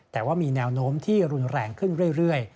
แต่ว่ามีแนวโน้มที่รุนแรงขึ้นเรื่อย